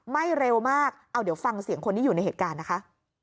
เร็วมากเอาเดี๋ยวฟังเสียงคนที่อยู่ในเหตุการณ์นะคะ